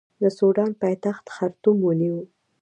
د سوډان پایتخت خرطوم ونیو.